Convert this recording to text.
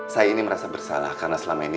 saya ini merasa bersalah karena selama ini